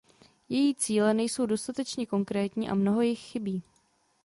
Její cíle nejsou dostatečně konkrétní a mnoho jich chybí.